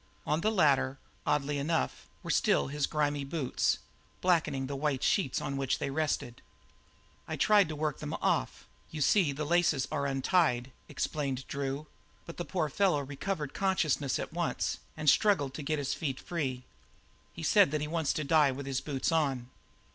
On the latter, oddly enough, were still his grimy boots, blackening the white sheets on which they rested. "I tried to work them off you see the laces are untied," explained Drew, "but the poor fellow recovered consciousness at once, and struggled to get his feet free. He said that he wants to die with his boots on."